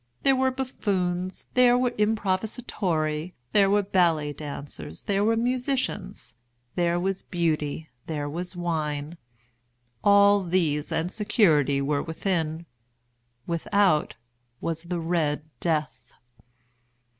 There were buffoons, there were improvisatori, there were ballet dancers, there were musicians, there was Beauty, there was wine. All these and security were within. Without was the "Red Death."